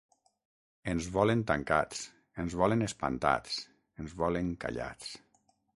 Ens volen tancats, ens volen espantats, ens volen callats.